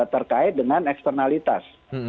terkait dengan eksternalitas